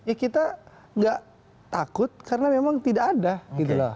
ya kita nggak takut karena memang tidak ada gitu loh